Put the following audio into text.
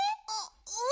うん。